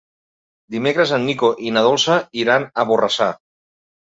Dimecres en Nico i na Dolça iran a Borrassà.